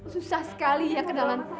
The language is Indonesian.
susah sekali ya kenalan